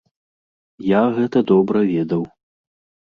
Я гэта добра ведаў.